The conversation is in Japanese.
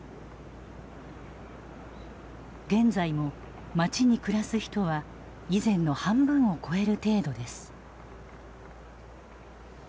現在も町に暮らす人は以前の半分を超える程度です。